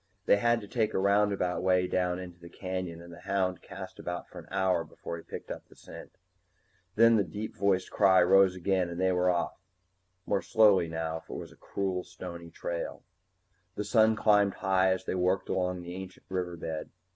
They had to take a roundabout way down into the canyon and the hound cast about for an hour before he picked up the scent. Then the deep voiced cry rose again and they were off more slowly now, for it was a cruel stony trail. The sun climbed high as they worked along the ancient river bed.